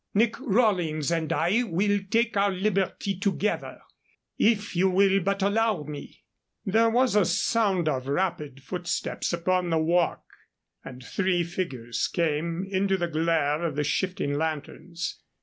"Nick Rawlings and I will take our liberty together. If you will but allow me " There was a sound of rapid footsteps upon the walk, and three figures came into the glare of the shifting lanterns.